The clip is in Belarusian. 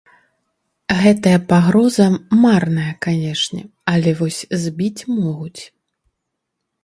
Гэтая пагроза марная, канешне, але вось збіць могуць.